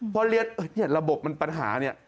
เพราะเรียนระบบมันปัญหานี่